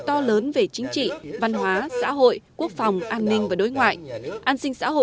to lớn về chính trị văn hóa xã hội quốc phòng an ninh và đối ngoại